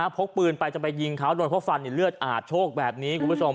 พกปืนไปจำเป็นยิงเขาโดนเพราะฟันเลือดอาดโชคแบบนี้